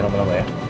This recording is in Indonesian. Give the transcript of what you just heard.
jangan lama lama ya